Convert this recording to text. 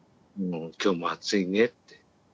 今日も暑いねって。